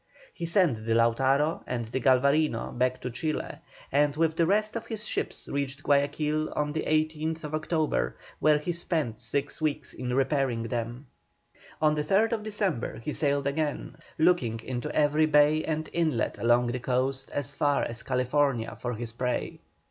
He sent the Lautaro and the Galvarino back to Chile, and with the rest of his ships reached Guayaquil on the 18th October, where he spent six weeks in repairing them. On the 3rd December he sailed again, looking into every bay and inlet along the coast as far as California for his prey.